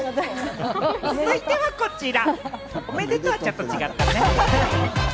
続いては、こちら。